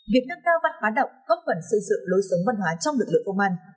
việc nâng cao văn hóa đọc góp phần xây dựng lối sống văn hóa trong lực lượng công an